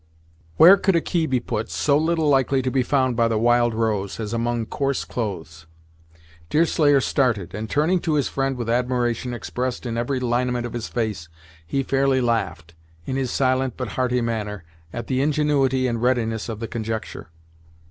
"Where could a key be put, so little likely to be found by the Wild Rose, as among coarse clothes?" Deerslayer started, and turning to his friend with admiration expressed in every lineament of his face, he fairly laughed, in his silent but hearty manner, at the ingenuity and readiness of the conjecture.